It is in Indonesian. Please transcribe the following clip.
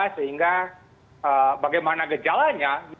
sehingga bagaimana gejalanya